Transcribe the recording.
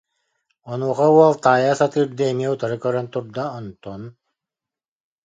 Онуоха уол таайа сатыырдыы эмиэ утары көрөн турда, онтон: